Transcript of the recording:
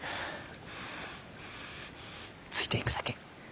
ついていくだけ。